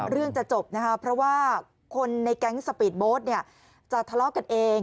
จะจบนะคะเพราะว่าคนในแก๊งสปีดโบ๊ทเนี่ยจะทะเลาะกันเอง